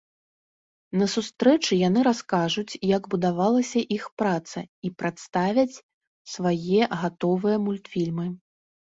На сустрэчы яны раскажуць, як будавалася іх праца, і прадставяць свае гатовыя мультфільмы.